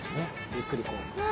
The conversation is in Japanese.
ゆっくりこう。